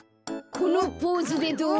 このポーズでどう？